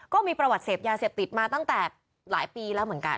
ก็มีประวัติเสพยาเสพติดมาตั้งแต่หลายปีแล้วเหมือนกัน